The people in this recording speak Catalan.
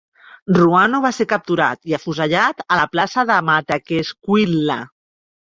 Ruano va ser capturat i afusellat a la plaça de Mataquescuintla.